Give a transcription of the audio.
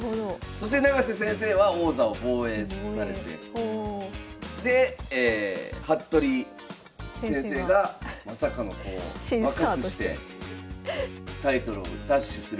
そして永瀬先生は王座を防衛されてで服部先生がまさかの若くしてタイトルを奪取する。